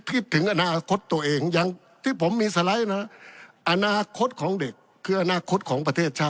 คิดถึงถึงอนาคตตัวเอง